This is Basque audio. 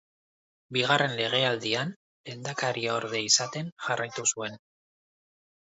Bigarren legealdian, lehendakariorde izaten jarraitu zuen.